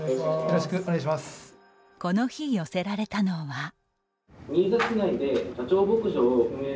この日寄せられたのは。